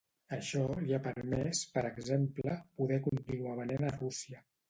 Això li ha permès per exemple poder continuar venent a Rússia.